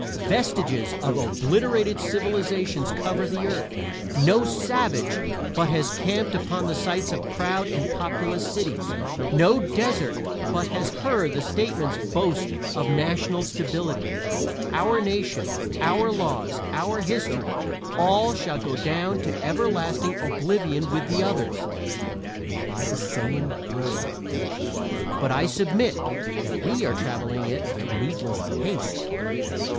Vestiges of obliterated civilizations cover the earth; no savage but has camped upon the sites of proud and populous cities; no desert but has heard the statesman's boast of national stability. Our nation, our laws, our history all shall go down to everlasting oblivion with the others, and by the same road. But I submit that we are traveling it with needless haste.